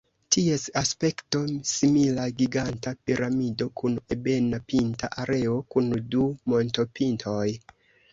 Ties aspekto simila giganta piramido kun ebena pinta areo kun du montopintoj.